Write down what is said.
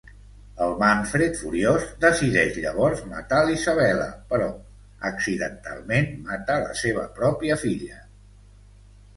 El Manfred, furiós, decideix llavors matar l'Isabella, però accidentalment mata la seva pròpia filla.